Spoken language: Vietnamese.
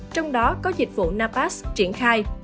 trong đó có dịch vụ napas triển khai